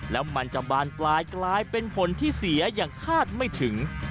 แล้วมันจะบานปลายกลายเป็นผลที่เสียอย่างคาดไม่ถึง